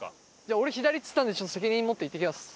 俺左って言ったんでちょっと責任持って行ってきます！